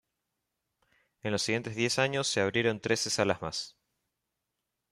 En los siguientes diez años se abrieron trece salas más.